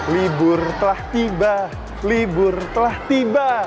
libur telah tiba libur telah tiba